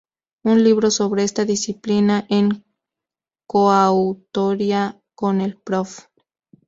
Un libro sobre esta disciplina en coautoría con el Prof.